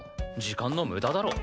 時間の無駄だろ。